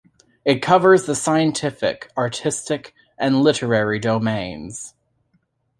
It covers the scientific, artistic and literary domains.